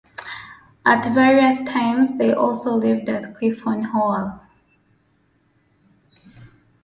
At various times they also lived at Clifton Hall.